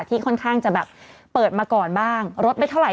ที่ค่อนข้างจะแบบเปิดก่อนมาบ้างรถไปเท่าไหร่